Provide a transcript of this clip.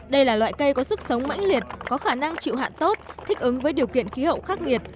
đây là loại cây có sức sống mãnh liệt có khả năng chịu hạn tốt thích ứng với điều kiện khí hậu khắc nghiệt